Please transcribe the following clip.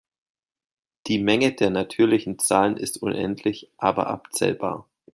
Die Menge der natürlichen Zahlen ist unendlich aber abzählbar.